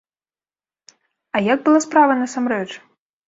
А як была справа насамрэч?